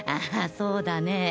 そうだね